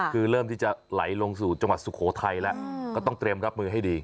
คือเริ่มที่จะไหลลงสู่จังหวัดสุโขทัยแล้วก็ต้องเตรียมรับมือให้ดี